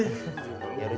jangan ketawa tuh